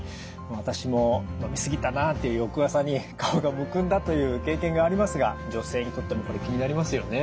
私も飲み過ぎたなあっていう翌朝に顔がむくんだという経験がありますが女性にとってもこれ気になりますよね。